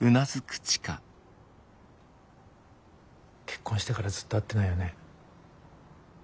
結婚してからずっと会ってないよね。